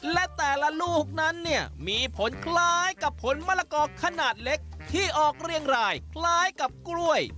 และแต่ละลูกนั้นเนี่ยมีผลคล้ายกับผลมะละกอขนาดเล็กที่ออกเรียงรายคล้ายกับกล้วย